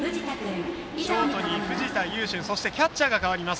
ショートに藤田侑駿が入りそしてキャッチャーが代わります。